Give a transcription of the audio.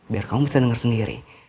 biar kamu bisa dengar sendiri